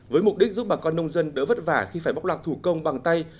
với mục đích giúp bà con nông dân đỡ vất vả khi phải bóc lạc thủ công bằng tay